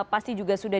pasti juga sudah